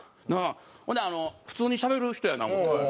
ほんで普通にしゃべる人やな思って。